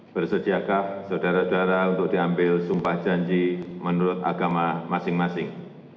bersediakah saudara saudara untuk diambil sumpah janji menurut agama masing masing